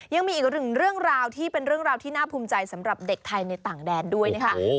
ยังมีอีกหนึ่งเรื่องราวที่เป็นเรื่องราวที่น่าภูมิใจสำหรับเด็กไทยในต่างแดนด้วยนะคะ